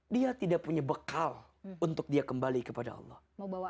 dia tidak punya bekal untuk dia kembali kepada allah